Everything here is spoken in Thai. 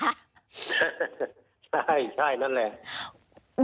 ใช่นั่นแหละ